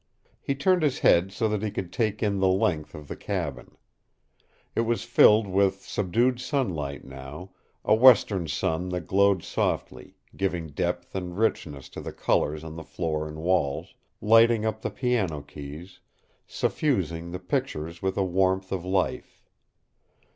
He turned his head so that he could take in the length of the cabin. It was filled with subdued sunlight now, a western sun that glowed softly, giving depth and richness to the colors on the floor and walls, lighting up the piano keys, suffusing the pictures with a warmth of life.